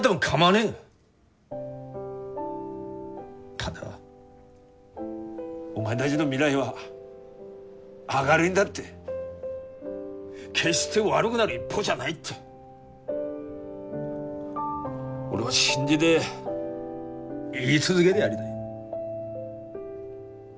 ただお前だぢの未来は明るいんだって決して悪ぐなる一方じゃないって俺は信じで言い続げでやりたい。